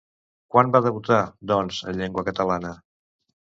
Quan va debutar, doncs, en llengua catalana?